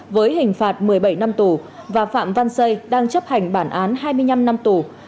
với hình phạt một mươi bảy năm tù và phạm văn xây đang chấp hành bản án hai mươi năm năm tù